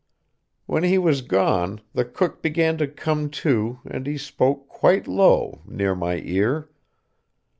] When he was gone, the cook began to come to, and he spoke quite low, near my ear.